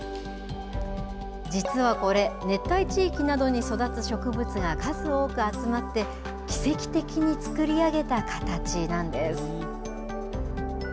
実はこれ、熱帯地域などに育つ植物が数多く集まって、奇跡的に作り上げた形なんです。